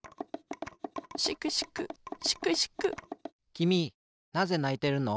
きみなぜないてるの？